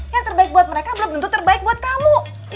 yang terbaik buat mereka belum tentu terbaik buat kamu